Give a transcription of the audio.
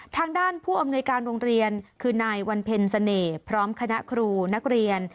ทางด้านผู้อำนวยการโรงเรียนคือนายวันเพ็ญเสน่ห์พร้อมคณะครูนักเรียน